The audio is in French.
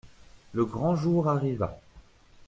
Le grand jour arriva.